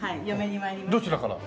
どちらから？